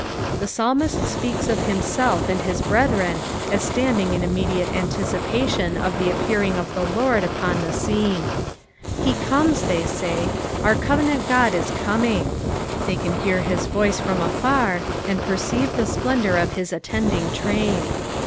The psalmist speaks of himself and hie brethren aa Btandinff in immediate anticipation of the appearing of the Lord upon the Bcene. " He comea," they say, "our covenant Ood is coming;" they can hear his voice from afar, and perceive the splendour of his attending train.